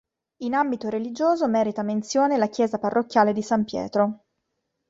In ambito religioso merita menzione la Chiesa parrocchiale di San Pietro.